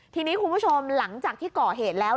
ทีนี้คุณผู้ชมหลังจากที่ก่อเหตุแล้ว